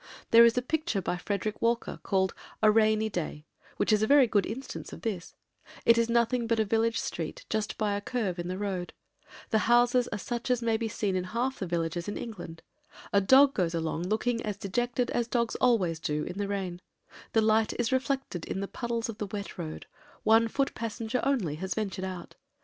There is a picture by Frederick Walker, called "A Rainy Day," which is a very good instance of this; it is nothing but a village street just by a curve in the road; the houses are such as may be seen in half the villages in England: a dog goes along looking as dejected as dogs always do in the rain, the light is reflected in the puddles of the wet road, one foot passenger only has ventured out.